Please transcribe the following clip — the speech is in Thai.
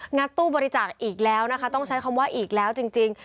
ัดตู้บริจาคอีกแล้วนะคะต้องใช้คำว่าอีกแล้วจริง